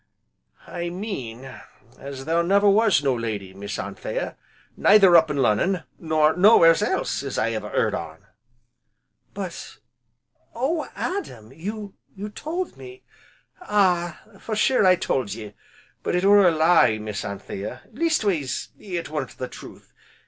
"I mean as there never was no lady, Miss Anthea, neither up to Lonnon, nor nowhere's else, as I ever heard on." "But oh Adam! you told me " "Ah! for sure I told ye, but it were a lie, Miss Anthea, leastways, it weren't the truth.